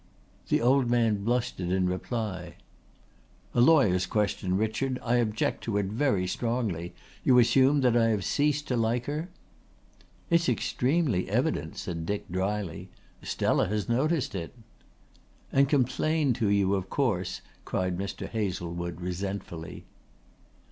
The old man blustered in reply: "A lawyer's question, Richard. I object to it very strongly. You assume that I have ceased to like her." "It's extremely evident," said Dick drily. "Stella has noticed it." "And complained to you of course," cried Mr. Hazlewood resentfully.